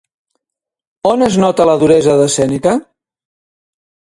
On es nota la duresa de Sèneca?